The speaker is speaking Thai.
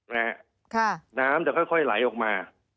น้ำจะค่อยไหลออกมา